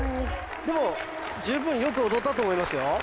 でも十分よく踊ったと思いますよ